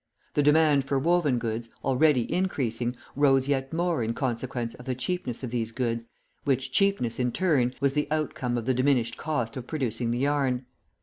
The demand for woven goods, already increasing, rose yet more in consequence of the cheapness of these goods, which cheapness, in turn, was the outcome of the diminished cost of producing the yarn.